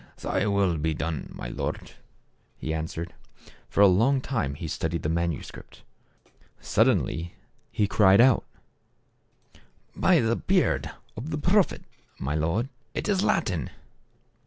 " Thy will be done, my lord," he answered. Tor a long time he studied the manuscript. 90 THE CAB AVAN. Suddenly he cried out: "By the beard of the Prophet, my lord, it is Latin.